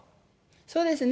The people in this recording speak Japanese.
そうですね。